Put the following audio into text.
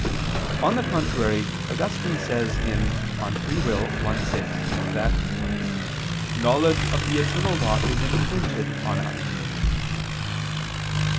On the contrary, Augustine says (De Lib. Arb. i, 6) that "knowledge of the eternal law is imprinted on us."